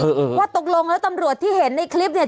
เออเออว่าตกลงแล้วตำรวจที่เห็นในคลิปเนี่ย